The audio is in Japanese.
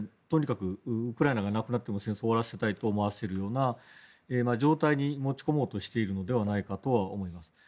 とにかくウクライナがなくなっても戦争を終わらせたいと思われるような状態に持ち込もうとしているのではないかと思います。